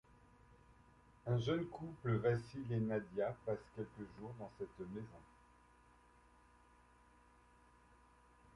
Un jeune couple, Vassil et Nadiya, passe quelques jours dans cette maison.